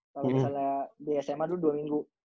kalo misalnya di sma itu dua minggu